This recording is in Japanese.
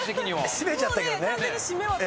締めちゃったけどね。